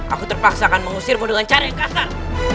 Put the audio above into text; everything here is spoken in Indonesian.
aku terpaksakan mengusirmu dengan cara yang kasar